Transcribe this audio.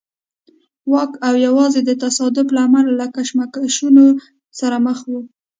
واک او یوازې د تصادف له امله له کشمکشونو سره مخ وي.